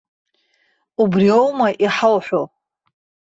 Убриоума иҳауҳәо?